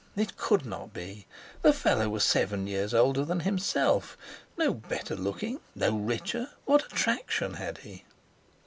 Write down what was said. It could not be! The fellow was seven years older than himself, no better looking! No richer! What attraction had he?